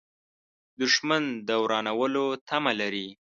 دښمن د ورانولو تمه لري